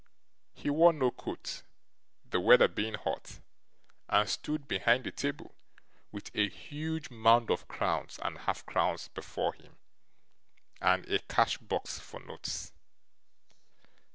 He wore no coat, the weather being hot, and stood behind the table with a huge mound of crowns and half crowns before him, and a cash box for notes.